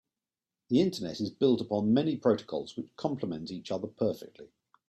The internet is built upon many protocols which compliment each other perfectly.